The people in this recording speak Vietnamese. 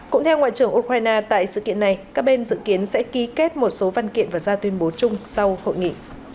cũng theo ngoại trưởng ukraine tại sự kiện này các bên dự kiến sẽ ký kết một số văn kiện và ra tuyên bố chung sau hội nghị